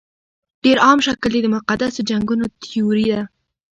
ډېر عام شکل یې د مقدسو جنګونو تیوري ده.